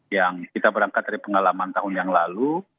yang kita berangkat dari pengalaman tahun yang lalu